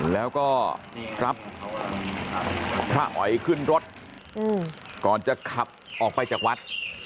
แล้วก็รับพระอ๋อยขึ้นรถก่อนจะขับออกไปจากวัด